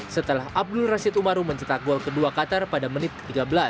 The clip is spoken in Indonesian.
setelah abdul rashid umarum mencetak gol kedua qatar pada menit tiga belas